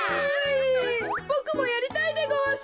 ボクもやりたいでごわす。